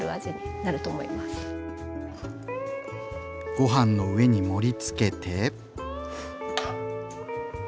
ご飯の上に盛りつけて。